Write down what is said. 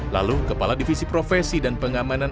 lalu kepala divisi profesi dan pengamanan